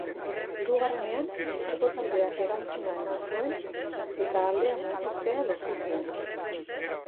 Hirugarrenean, etxeko taldeak erantzuna eman zuen, eta aldea murriztea lortu zuen.